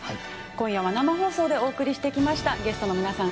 今夜は生放送でお送りしてきました。